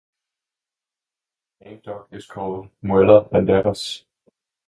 The main dock is called Muella Banderas.